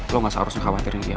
lo gak seharusnya khawatirin dia